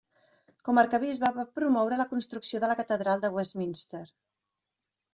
Com a arquebisbe va promoure la construcció de la Catedral de Westminster.